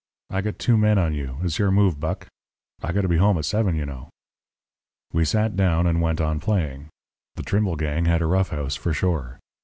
I got two men on you. It's your move, Buck. I got to be home at seven, you know.' "We sat down and went on playing. The Trimble gang had a roughhouse for sure.